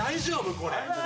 これ。